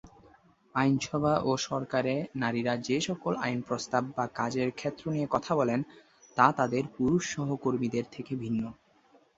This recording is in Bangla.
আইনসভা ও সরকারে নারীরা যে সকল আইন প্রস্তাব বা কাজের ক্ষেত্র নিয়ে কথা বলেন, তা তাদের পুরুষ সহকর্মীদের থেকে ভিন্ন।